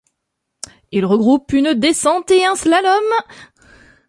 Il regroupe une descente et un slalom.